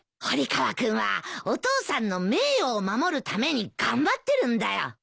堀川君はお父さんの名誉を守るために頑張ってるんだよ。